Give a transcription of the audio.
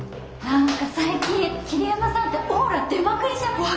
何か最近桐山さんってオーラ出まくりじゃない？